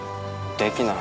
できない